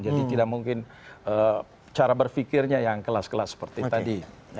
jadi tidak mungkin cara berpikirnya yang kelas kelas seperti tadi